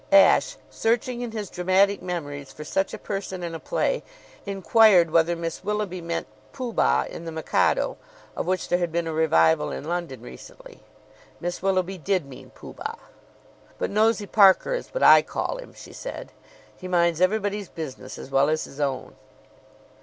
Ashe, searching in his dramatic memories for such a person in a play, inquired whether Miss Willoughby meant Pooh Bah, in "The Mikado," of which there had been a revival in London recently. Miss Willoughby did mean Pooh Bah. "But Nosy Parker is what I call him," she said. "He minds everybody's business as well as his own."